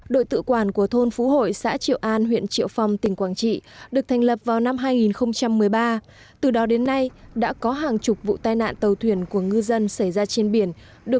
đội tự quản của thôn phú hội xã triệu an huyện triệu phong tỉnh quảng trị đã phát huy hiệu quả mô hình đội tàu tàu tàu tàu tàu